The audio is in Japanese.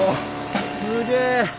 すげえ！